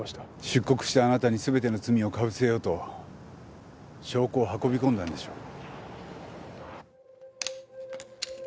出国したあなたに全ての罪を被せようと証拠を運び込んだんでしょう。